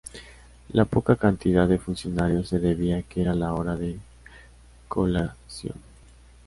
La poca cantidad de funcionarios se debía a que era la hora de colación.